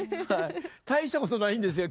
大したことないんですよ